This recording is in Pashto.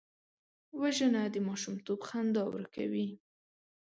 وژنه د ماشومتوب خندا ورکوي